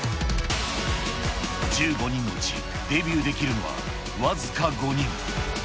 １５人のうちデビューできるのは僅か５人。